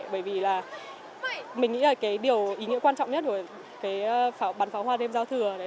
bởi vì là mình nghĩ là cái điều ý nghĩa quan trọng nhất của cái bắn pháo hoa đêm giao thừa